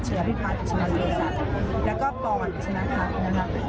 ถือว่าเป็นการพักผู้เล่นให้สมมุลแท้จริงในการที่จะเข้ารอบรองชนะเลิศกับภูมิโรนิเซีย